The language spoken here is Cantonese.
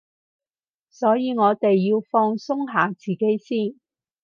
所以我哋要放鬆下自己先